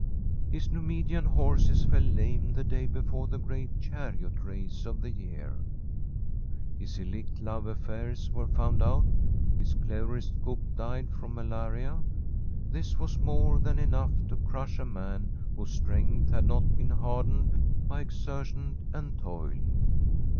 His Numidian horses fell lame the day before the g^eat chariot race of the year ; his 1 141] From a SWEDISH HOMESTEAD illicit love affairs were found out; his cleverest cook died from malaria. This was more than enough to crush a man whose strength had not been hardened by exertion and toil.